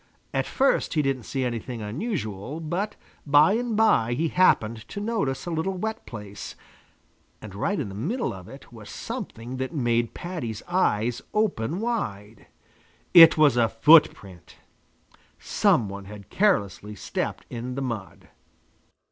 At first he didn't see anything unusual, but by and by he happened to notice a little wet place, and right in the middle of it was something that made Paddy's eyes open wide. It was a footprint! Some one had carelessly stepped in the mud.